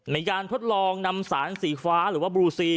ในการทดลองนำสารสีฟ้าหรือว่าบลูซี